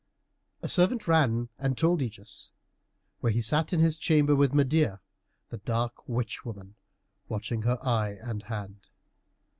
A servant ran and told Ægeus, where he sat in his chamber with Medeia, the dark witch woman, watching her eye and hand.